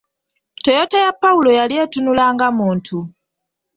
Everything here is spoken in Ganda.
Toyota ya pawulo yali etunula nga muntu.